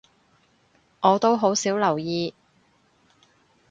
我都好少留意